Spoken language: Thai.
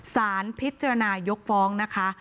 สารพิจารณายกฟ้องนะคะ